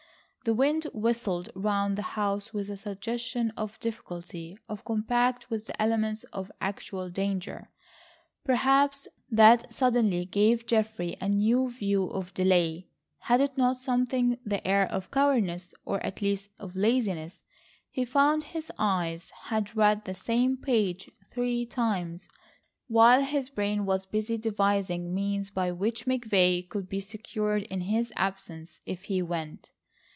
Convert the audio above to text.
The wind whistled round the house with a suggestion of difficulty, of combat with the elements, of actual danger, perhaps, that suddenly gave Geoffrey a new view of delay. Had it not something the air of cowardice, or at least of laziness? He found his eyes had read the same page three times, while his brain was busy devising means by which McVay could be secured in his absence—if he went.